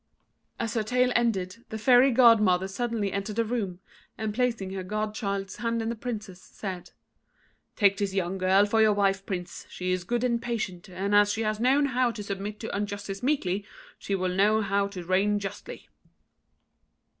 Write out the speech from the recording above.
] As her tale ended, the Fairy godmother suddenly entered the room, and placing her godchild's hand in the Prince's, said: "Take this young girl for your wife, Prince; she is good and patient, and as she has known how to submit to injustice meekly, she will know how to reign justly."